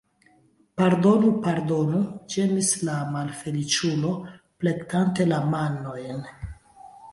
Pardonu, pardonu, ĝemis la malfeliĉulo, plektante la manojn.